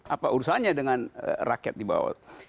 apa urusannya dengan rakyat di bawah